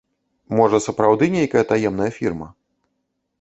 Можа сапраўды нейкая таемная фірма?